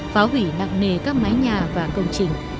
phá hủy nặng nề các mái nhà và công trình